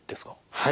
はい。